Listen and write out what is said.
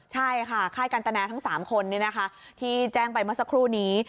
ใช่ค่ะค่ายกันตนาทั้ง๓คนนี้นะคะที่แจ้งไปมาสักครู่นี้